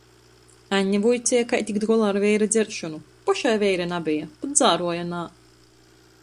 Anne vuiceja, kai tikt golā ar veira dzeršonu. Pošai veira nabeja, pat dzāruoja nā.